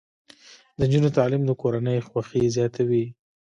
د نجونو تعلیم د کورنۍ خوښۍ زیاتوي.